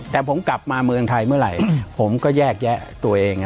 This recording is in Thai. แต่ผมกลับมาเมืองไทยเมื่อไหร่ผมก็แยกแยะตัวเอง